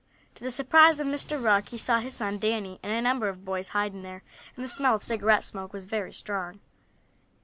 To the surprise of Mr. Rugg he saw his son Danny, and a number of boys, hiding there, and the smell of cigarette smoke was very strong.